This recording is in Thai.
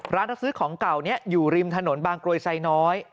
ร้านรับซื้อของเก่าเนี่ยอยู่ริมถนนบางโกรยไซยน้อย